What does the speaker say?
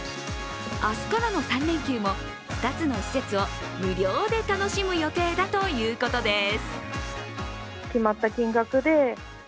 明日からの３連休も２つの施設を無料で楽しむ予定だということです。